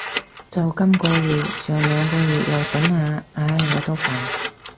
就今个月，上兩個月又准下。唉，我都煩